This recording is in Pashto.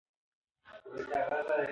نجلۍ په پوهنتون کې سبق وایه.